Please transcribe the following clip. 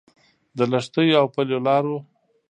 د لښتيو او پلیو لارو